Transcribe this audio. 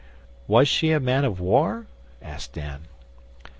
'Was she a man of war?' asked Dan.